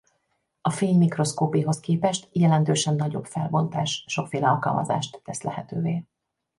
A fénymikroszkópéhoz képest jelentősen nagyobb felbontás sokféle alkalmazást tesz lehetővé.